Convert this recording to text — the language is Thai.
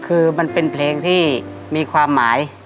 คือมันเป็นเพลงที่มีความหมาย